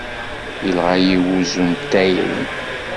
Yenɣa-yi wezzu n tayri!